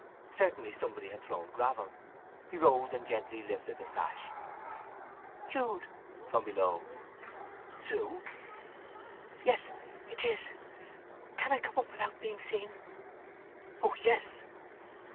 Certainly somebody had thrown gravel. He rose and gently lifted the sash. "Jude!" (from below). "Sue!" "Yes—it is! Can I come up without being seen?" "Oh yes!"